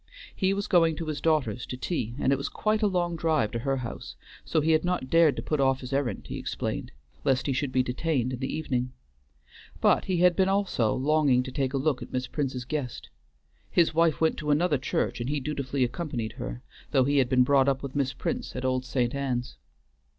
He was going to his daughter's to tea, and it was quite a long drive to her house, so he had not dared to put off his errand, he explained, lest he should be detained in the evening. But he had been also longing to take a look at Miss Prince's guest. His wife went to another church and he dutifully accompanied her, though he had been brought up with Miss Prince at old St. Ann's.